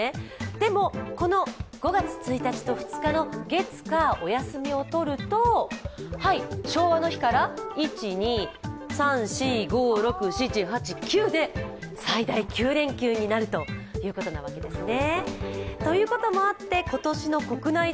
でも、この５月１日と２日の月火、お休みを取ると昭和の日から最大９連休になるということなわけですね。